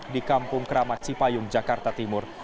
di kampung keramat cipayung jakarta timur